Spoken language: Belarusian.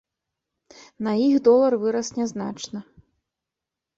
На іх долар вырас нязначна.